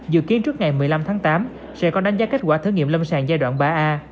dự kiến trước ngày một mươi năm tháng tám sẽ có đánh giá kết quả thử nghiệm lâm sàng giai đoạn ba a